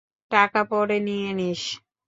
টাকা পরে নিয়ে নিস।